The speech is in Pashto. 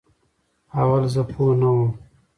اول زه پوهه نه وم